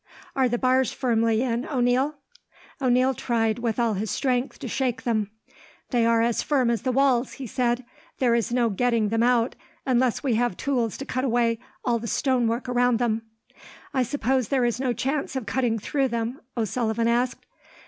"Are the bars firmly in, O'Neil?" O'Neil tried, with all his strength, to shake them. "They are as firm as the walls," he said. "There is no getting them out, unless we have tools to cut away all the stonework round them." "I suppose there is no chance of cutting through them?" O'Sullivan asked.